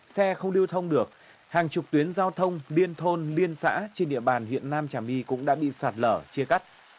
xe không lưu thông được hàng chục tuyến giao thông liên thôn liên xã trên địa bàn huyện nam trà my cũng đã bị sạt lở chia cắt